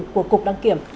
của cục đăng kiểm